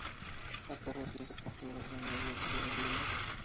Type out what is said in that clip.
La caja es lisa con figuras de medio y altorrelieve.